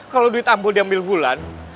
kalo duit ambo diambil bulan